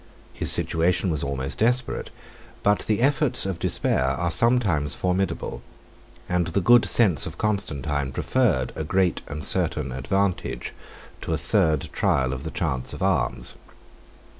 His situation was almost desperate, but the efforts of despair are sometimes formidable, and the good sense of Constantine preferred a great and certain advantage to a third trial of the chance of arms.